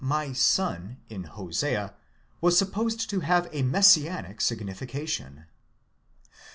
(my son) in Hosea was supposed to have a messianic signifi cation.